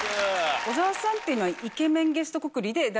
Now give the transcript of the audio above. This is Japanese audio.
小澤さんっていうのは。